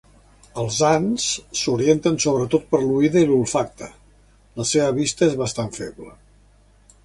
Els ants s'orienten sobretot per l'oïda i l'olfacte; la seva vista és bastant feble.